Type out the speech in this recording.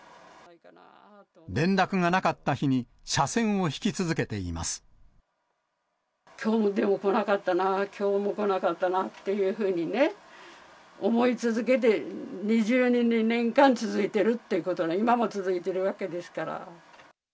連絡がなかった日に、きょうも電話来なかったな、きょうも来なかったなっていうふうにね、思い続けて２２年間、続いているってことで、今も続いているわけですから。